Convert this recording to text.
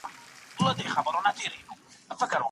املا د لوستلو او لیکلو ترمنځ اړیکه جوړوي.